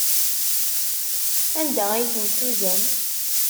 Anda ay tent-tuzam?